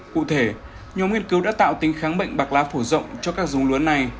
cụ thể nhóm nghiên cứu đã tạo tính kháng bệnh bạc lá phổ rộng cho các dông lúa này